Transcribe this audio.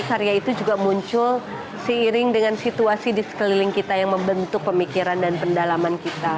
karya itu juga muncul seiring dengan situasi di sekeliling kita yang membentuk pemikiran dan pendalaman kita